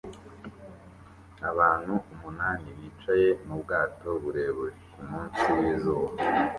Abantu umunani bicaye mubwato burebure kumunsi wizuba